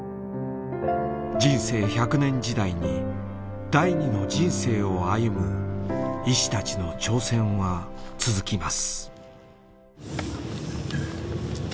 人生１００年時代に第二の人生を歩む医師たちの挑戦は続きます。